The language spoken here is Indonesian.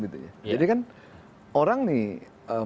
jadi kan orang nih